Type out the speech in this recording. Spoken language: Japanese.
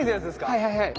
はいはいはい。